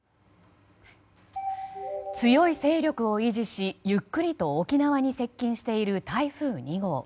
強い勢力を維持しゆっくりと沖縄に接近している台風２号。